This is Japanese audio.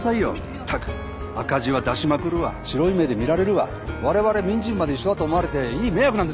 ったく赤字は出しまくるわ白い目で見られるわわれわれ民事部まで一緒だと思われていい迷惑なんですよ。